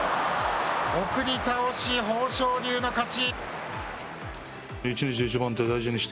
送り倒し、豊昇龍の勝ち。